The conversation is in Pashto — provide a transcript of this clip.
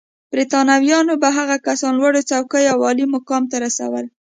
برېټانویانو به هغه کسان لوړو څوکیو او عالي مقام ته رسول.